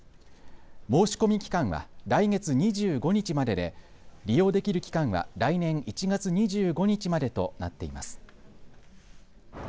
申し込み期間は来月２５日までで利用できる期間は来年１月２５日までとなっています。